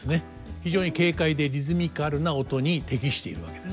非常に軽快でリズミカルな音に適しているわけです。